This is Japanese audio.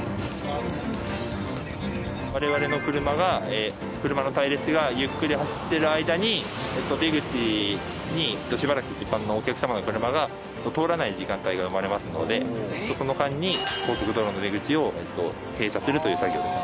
我々の車が車の隊列がゆっくり走ってる間に出口にしばらく一般のお客様の車が通らない時間帯が生まれますのでその間に高速道路の出口を閉鎖するという作業です。